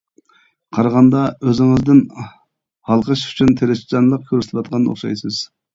قارىغاندا ئۆزىڭىزدىن ھالقىش ئۈچۈن تىرىشچانلىق كۆرسىتىۋاتقان ئوخشايسىز.